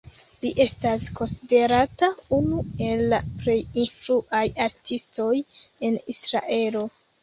Li estas konsiderata unu el la plej influaj artistoj en Israelo.